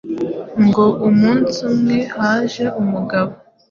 Ngo umunsi umwe haje umugabo